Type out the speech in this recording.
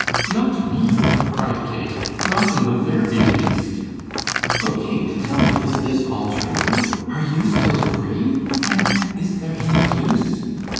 "Not me," cried Kate, "not in the very least." "Oh, Kate, tell me, is this all true? Are you still free? And is there any use?"